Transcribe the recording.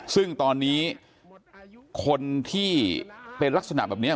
ซึ่งตอนนี้คนที่เป็นลักษณะแบบนี้